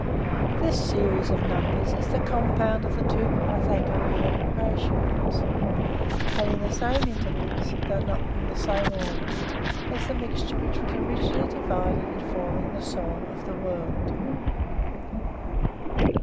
This series of numbers is the compound of the two Pythagorean ratios, having the same intervals, though not in the same order, as the mixture which was originally divided in forming the soul of the world.